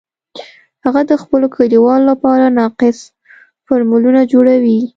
هغه د خپلو کلیوالو لپاره ناقص فارمولونه جوړوي